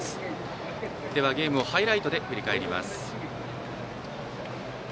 ゲームをハイライトで振り返ります。